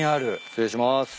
失礼します。